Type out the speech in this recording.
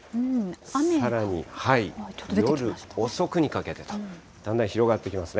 さらに、夜遅くにかけて、だんだん広がってきますね。